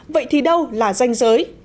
vậy thì đâu là danh giới